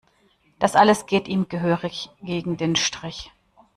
Das alles geht ihm gehörig gegen den Strich.